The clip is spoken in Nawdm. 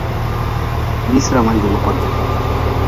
Diisirama juli kodi.